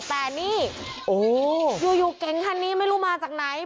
แต่นี่โอ้โหอยู่เก๋งคันนี้ไม่รู้มาจากไหน